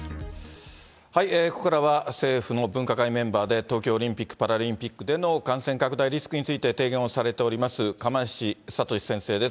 ここからは、政府の分科会メンバーで、東京オリンピック・パラリンピックでの感染拡大リスクについて提言をされております、釜萢敏先生です。